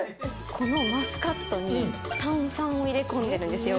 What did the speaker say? このマスカットに炭酸を入れ込んでるんですよ。